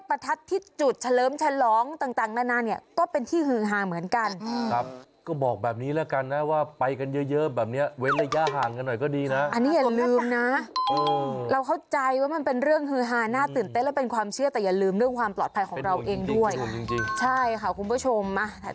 แบบเนี้ยเว้นระยะห่างกันหน่อยก็ดีนะอันนี้อย่าลืมนะเออเราเข้าใจว่ามันเป็นเรื่องฮือฮาน่าตื่นเต้นแล้วเป็นความเชื่อแต่อย่าลืมเรื่องความปลอดภัยของเราเองด้วยจริงจริงใช่ค่ะคุณผู้ชมมา